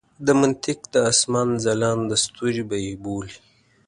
د منطق د اسمان ځلانده ستوري به یې بولي.